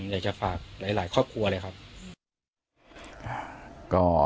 อยากจะฝากหลายครอบครัวเลยครับ